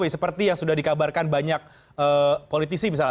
seperti yang sudah dikabarkan banyak politisi misalnya